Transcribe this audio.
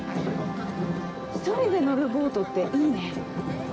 １人で乗るボートっていいね。